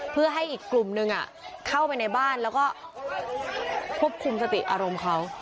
เพื่อให้อีกกลุ่มนึงเข้าไปในบ้านแล้วก็ควบคุมสติอารมณ์เขา